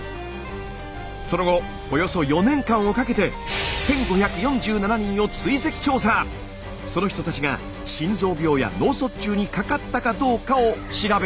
その後およそ４年間をかけてその人たちが心臓病や脳卒中にかかったかどうかを調べたんです。